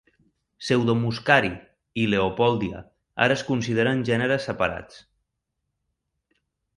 "Pseudomuscari" i "Leopoldia" ara es consideren gèneres separats.